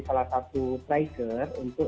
salah satu trigger untuk